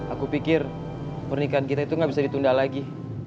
aku pikir pernikahan kita itu gak bisa ditunda lagi